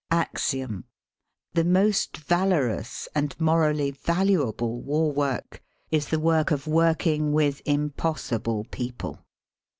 Axiom: The most valorous and morally valu able war work is the work of working with im possible people.